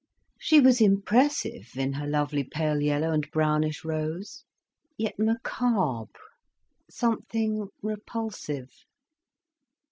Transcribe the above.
She was impressive, in her lovely pale yellow and brownish rose, yet macabre, something repulsive.